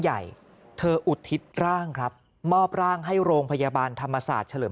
ใหญ่เธออุทิศร่างครับมอบร่างให้โรงพยาบาลธรรมศาสตร์เฉลิม